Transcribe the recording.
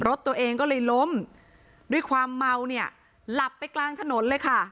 รถตัวเองก็เลยล้มด้วยความเมาเนี่ยหลับไปกลางถนนเลยค่ะ